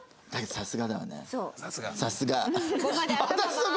さすが。